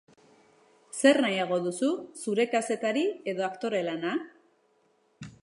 Zer nahiago duzu zure kazetari edo aktore lana?